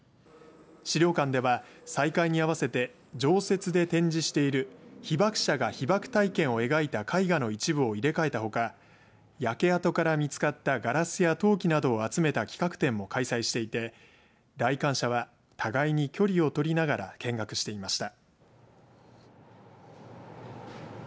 資料館では再開に合わせて常設で展示している被爆者が被爆体験を描いた絵画の一部を入れ替えたほか焼け跡から見つかったガラスや陶器などを集めた企画展も開催していて、来館者は互いに距離を取りながら見学していました。